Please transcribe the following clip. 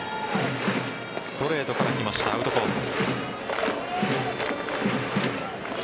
ストレートから来ましたアウトコース。